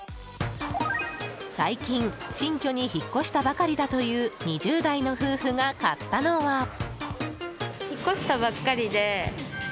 最近、新居に引っ越したばかりだという２０代の夫婦が買ったのは。